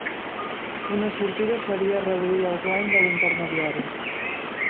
Una sortida seria reduir el guany de l'intermediari.